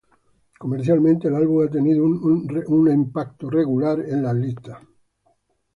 Comercialmente, el álbum ha tenido un regular impacto en las listas.